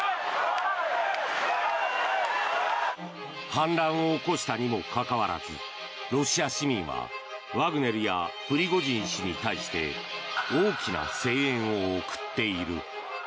反乱を起こしたにもかかわらずロシア市民はワグネルやプリゴジン氏に対して大きな声援を送っている。